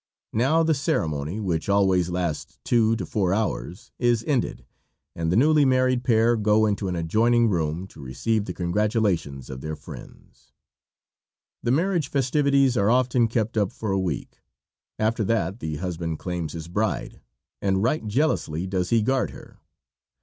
Now the ceremony, which always lasts two to four hours, is ended, and the newly married pair go into an adjoining room to receive the congratulations of their friends. The marriage festivities are often kept up for a week. After that the husband claims his bride, and right jealously does he guard her.